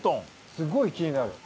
すごい気になる。